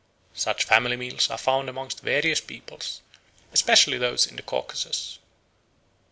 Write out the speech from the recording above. Such family meals are found among various peoples, especially those of the Caucasus.